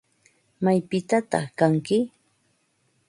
¿Maypitataq kanki?